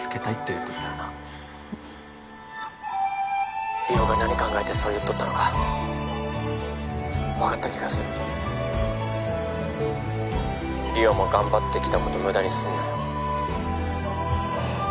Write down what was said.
うん☎梨央が何考えてそう言っとったのか☎分かった気がする☎梨央も頑張ってきたこと無駄にすんなよ